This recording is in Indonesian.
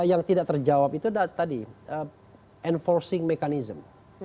yang tidak terjawab itu adalah tadi enforcing mechanism